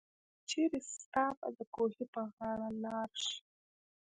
چيري ستاه به دکوهي په غاړه لار شي